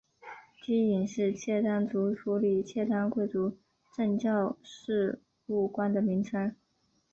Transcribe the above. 惕隐是契丹族处理契丹贵族政教事务官的名称。